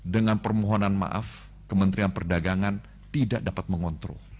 dengan permohonan maaf kementerian perdagangan tidak dapat mengontrol